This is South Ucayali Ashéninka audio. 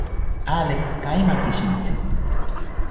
Alex, kaimaki shintzi